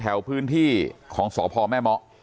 แถวผื้นที่ของสวพรแม่หมอ